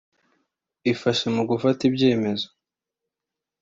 ifashe mu gufata ibyemezo